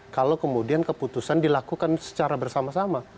kalau kemudian keputusan dilakukan secara bersama sama